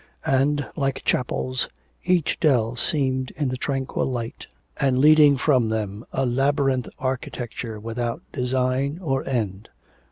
And, like chapels, every dell seemed in the tranquil light, and leading from them a labyrinthine architecture without design or end.